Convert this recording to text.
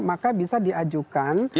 maka bisa diajukan